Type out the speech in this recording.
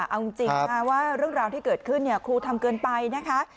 เอาจริงว่าเรื่องราวที่เกิดขึ้นครูทำเกินไปนะคะ